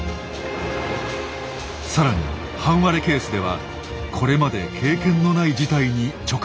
更に半割れケースではこれまで経験のない事態に直面します。